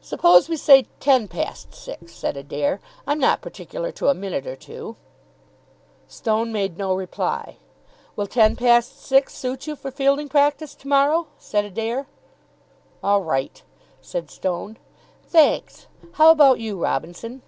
"Suppose we say ten past six?" said Adair. "I'm not particular to a minute or two." Stone made no reply. "Will ten past six suit you for fielding practice to morrow?" said Adair. "All right," said Stone. "Thanks. How about you, Robinson?"